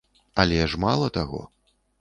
Але ж мала таго.